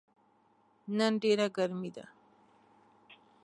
نن ډیره ګرمې ده